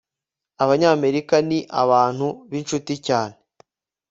abanyamerika ni abantu b'inshuti cyane